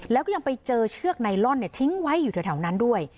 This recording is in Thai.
แล้วก็ยังไปเจอเชือกไนลอนทิ้งไว้อยู่แถวนั้นด้วย